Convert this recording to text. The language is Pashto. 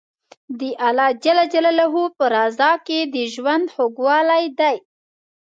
د الله په رضا کې د ژوند خوږوالی دی.